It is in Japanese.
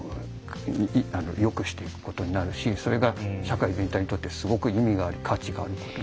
よくしていくことになるしそれが社会全体にとってすごく意味があり価値がある。